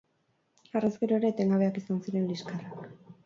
Harrezkero ere etengabeak izan ziren liskarrak.